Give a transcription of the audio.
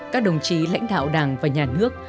các đồng chí lãnh đạo đảng và nhà nước